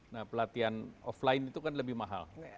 nah pelatihan offline itu kan lebih mahal